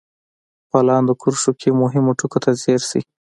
په لاندې کرښو کې مهمو ټکو ته ځير شئ.